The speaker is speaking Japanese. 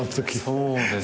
そうですね